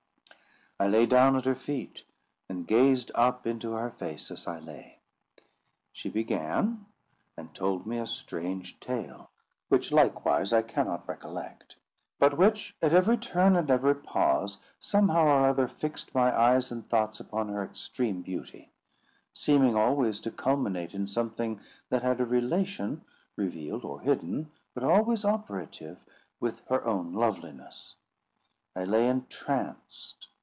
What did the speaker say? I lay down at her feet, and gazed up into her face as I lay. She began, and told me a strange tale, which, likewise, I cannot recollect; but which, at every turn and every pause, somehow or other fixed my eyes and thoughts upon her extreme beauty; seeming always to culminate in something that had a relation, revealed or hidden, but always operative, with her own loveliness. I lay entranced.